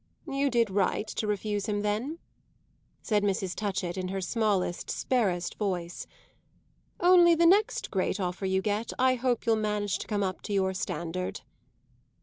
"You did right to refuse him then," said Mrs. Touchett in her smallest, sparest voice. "Only, the next great offer you get, I hope you'll manage to come up to your standard."